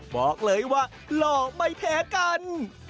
บอกเลยว่าหล่อไม่แพ้กัน